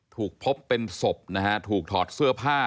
ถูกพบเป็นศพนะฮะถูกถอดเสื้อผ้า